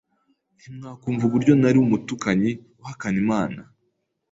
Ntimwakumva uburyo nari umutukanyi uhakana Imana!